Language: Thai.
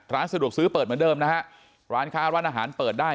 ร้านสะดวกซื้อเปิดเหมือนเดิมนะฮะร้านค้าร้านอาหารเปิดได้